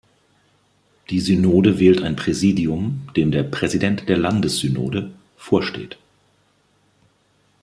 Die Synode wählt ein Präsidium, dem der "Präsident der Landessynode" vorsteht.